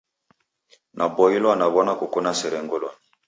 Naboilwa naw'ona koko na sere ngolonyi